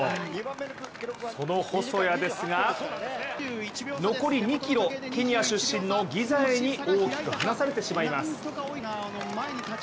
その細谷ですが残り２ｋｍケニア出身のギザエに大きく離されてしまいます。